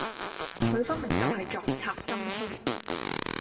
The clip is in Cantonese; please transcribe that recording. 佢分明就係作賊心虛